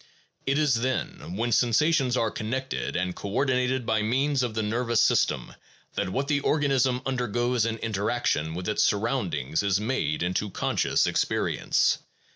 It is then, when sensations are connected and coordinated by means of the nervous system, that what the organism undergoes in interaction with its surroundings is made into conscious experience.